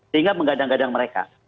sehingga menggadang gadang mereka